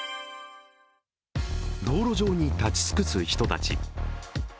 道路上に立ち尽くす人たち。